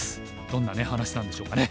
どんな話なんでしょうかね。